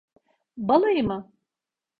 Balayı mı?